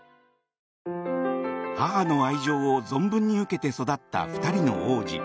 母の愛情を存分に受けて育った２人の王子。